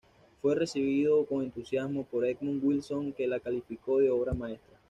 Fue recibido con entusiasmo por Edmund Wilson, que la calificó de obra maestra.